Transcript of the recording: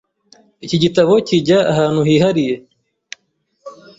Iki gitabo kijya ahantu hihariye?